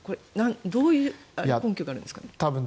どういう根拠があるんですかね。